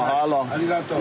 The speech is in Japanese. ありがとう。